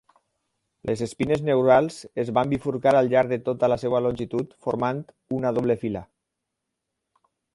Les espines neurals es van bifurcar al llarg de tota la seva longitud formant una doble fila.